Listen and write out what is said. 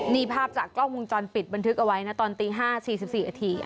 นี่ภาพจากกล้องวงจรปิดบันทึกเอาไว้นะตอนตี๕๔๔นาที